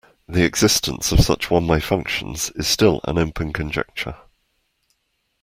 The existence of such one-way functions is still an open conjecture.